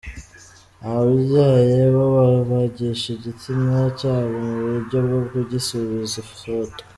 Ababyaye bo babagisha igitsina cyabo mu buryo bwo kugisubiza itoto.